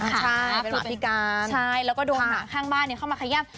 ใช่หมาพิการแล้วก็โดนหมาข้างบ้านเข้ามาขยับ